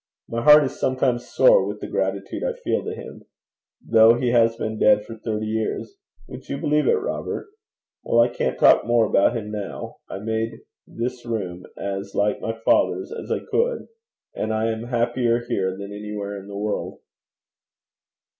My heart is sometimes sore with the gratitude I feel to him. Though he's been dead for thirty years would you believe it, Robert? well, I can't talk more about him now. I made this room as like my father's benn end as I could, and I am happier here than anywhere in the world.'